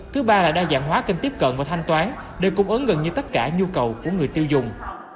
thứ ba là đa dạng hóa kênh tiếp cận và thanh toán để cung ứng gần như tất cả nhu cầu của người tiêu dùng